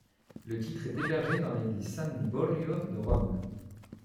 Le titre est hébergé dans l'église San Liborio de Rome.